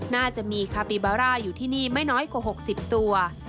น่าจะมีคาปิบาร่าอยู่ที่นี่ไม่น้อยกว่า๖๐ตัว